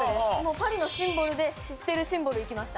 パリのシンボルで知ってるシンボルいきました。